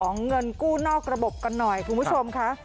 เงินกู้นอกระบบกันหน่อยคุณผู้ชมค่ะ